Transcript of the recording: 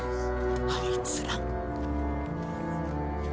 あいつら。